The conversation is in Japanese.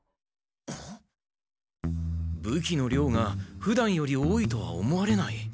武器の量がふだんより多いとは思われない。